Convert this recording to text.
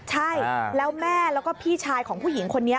ใช่แล้วแม่แล้วก็พี่ชายของผู้หญิงคนนี้